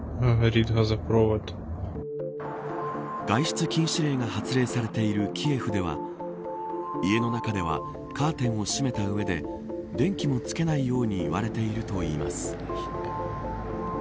外出禁止令が発令されているキエフでは家の中ではカーテンを閉めた上で電気もつけないように言われているといいます。